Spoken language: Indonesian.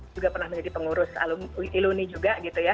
juga pernah menjadi pengurus iluni juga